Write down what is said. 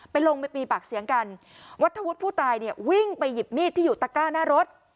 ลงไปมีปากเสียงกันวัฒวุฒิผู้ตายเนี่ยวิ่งไปหยิบมีดที่อยู่ตะกร้าหน้ารถ